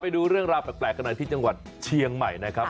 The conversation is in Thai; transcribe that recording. ไปดูเรื่องราวแปลกกันหน่อยที่จังหวัดเชียงใหม่นะครับ